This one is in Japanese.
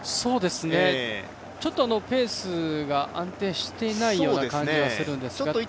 ちょっとペースが安定していないような感じがしているんですけれども。